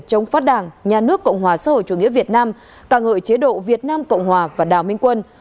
chống phát đảng nhà nước cộng hòa xã hội chủ nghĩa việt nam ca ngợi chế độ việt nam cộng hòa và đào minh quân